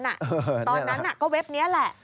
ตอนนั้นก็เว็บนี้แหละ